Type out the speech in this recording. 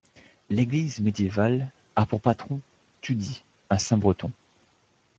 L'église médiévale a pour patron Tudy, un saint breton.